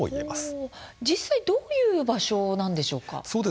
実際どういう場所なんでしょうか。